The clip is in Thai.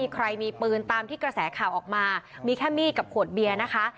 ใครมีปืนตามที่กระแสข่าวออกมามีแค่มีดกับขวดเบียร์นะคะ